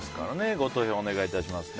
ご投票お願いします。